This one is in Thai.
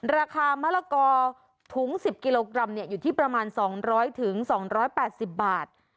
ราคามะละกอถุง๑๐กิโลกรัมอยู่ที่ประมาณ๒๐๐๒๘๐บาท